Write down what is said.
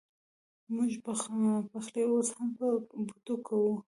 مونږ پخلی اوس هم په بوټو کوو